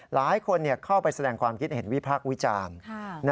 หลายคนเข้าไปแสดงความคิดเห็นวิพากษ์วิจารณ์